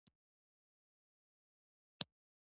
د ارزونې پریکړه په څلورو میاشتو کې کیږي.